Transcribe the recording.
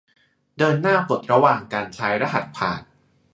เดินหน้าปลดระวางการใช้รหัสผ่าน